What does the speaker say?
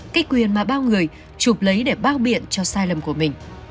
cái quyền mà bao người chụp lấy để bao biện cho sai lầm của mình